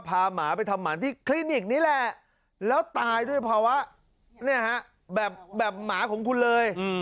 หมาไปทำหมาที่คลินิกนี้แหละแล้วตายด้วยภาวะแบบหมาของคุณเลย